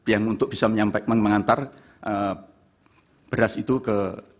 yang untuk bisa menyampaikan mengantar beras itu ke